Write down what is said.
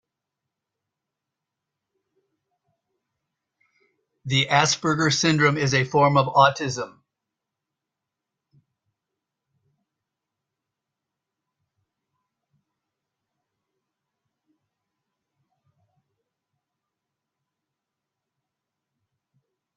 The Asperger syndrome is a form of autism.